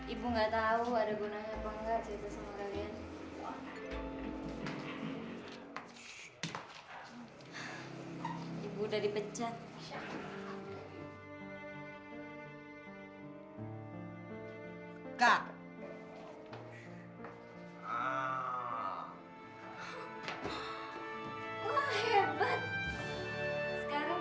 ibu tidak tahu ada gunanya atau tidak cerita sama kalian